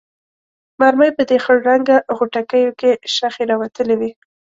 مرمۍ په دې خړ رنګه غوټکیو کې شخې راوتلې وې.